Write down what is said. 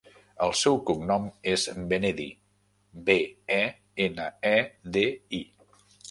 El seu cognom és Benedi: be, e, ena, e, de, i.